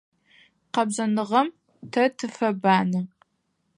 Къэбзэныгъэм тэ тыфэбанэ.